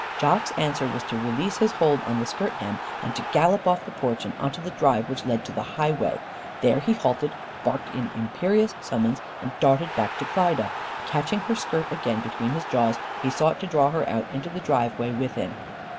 Jock's answer was to release his hold on the skirt hem, and to gallop off the porch and out onto the drive which led to the highway. There he halted, barked in imperious summons and darted back to Klyda. Catching her skirt again between his jaws, he sought to draw her out onto the driveway with him.